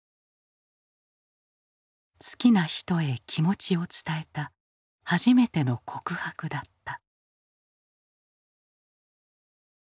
好きな人へ気持ちを伝えた初めての告白だった。